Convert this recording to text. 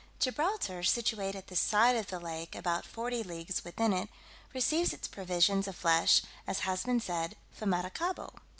Gibraltar, situate at the side of the lake about forty leagues within it, receives its provisions of flesh, as has been said, from Maracaibo.